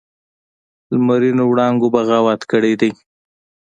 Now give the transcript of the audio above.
لمرینو وړانګو بغاوت کړی دی